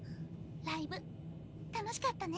ライブ楽しかったね。